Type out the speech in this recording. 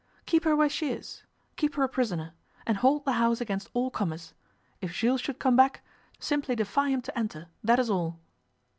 'Keep her where she is. Keep her a prisoner. And hold the house against all comers. If Jules should come back, simply defy him to enter that is all.